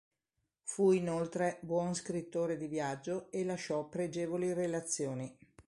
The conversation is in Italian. Fu inoltre buon scrittore di viaggio e lasciò pregevoli relazioni.